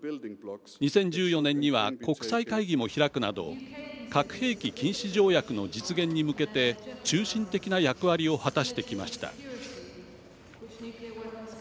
２０１４年には国際会議も開くなど核兵器禁止条約の実現に向けて中心的な役割を果たしてきました。